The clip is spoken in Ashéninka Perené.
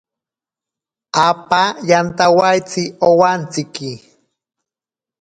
Apa yantawaitsi owantsiki.